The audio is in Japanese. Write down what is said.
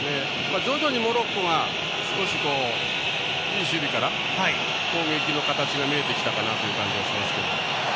徐々にモロッコが少し、いい守備から攻撃の形が見えてきたかなという気はしますけど。